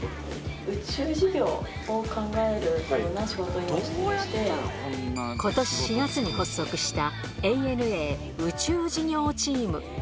宇宙事業を考えるような仕事ことし４月に発足したＡＮＡ宇宙事業チーム。